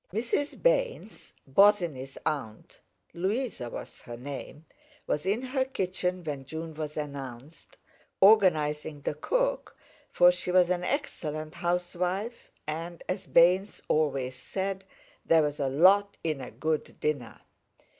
Mrs. Baynes, Bosinney's aunt (Louisa was her name), was in her kitchen when June was announced, organizing the cook, for she was an excellent housewife, and, as Baynes always said, there was "a lot in a good dinner."